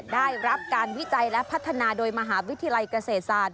ได้รับการวิจัยและพัฒนาโดยมหาวิทยาลัยเกษตรศาสตร์